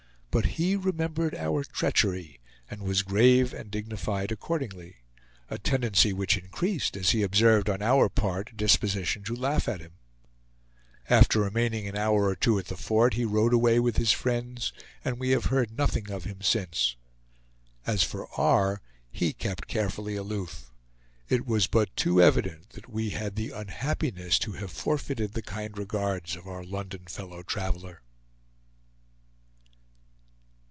But he remembered our treachery, and was grave and dignified accordingly; a tendency which increased as he observed on our part a disposition to laugh at him. After remaining an hour or two at the fort he rode away with his friends, and we have heard nothing of him since. As for R., he kept carefully aloof. It was but too evident that we had the unhappiness to have forfeited the kind regards of our London fellow traveler.